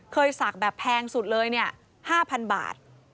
เคยสักแบบแพงสุดเลย๕๐๐๐บาท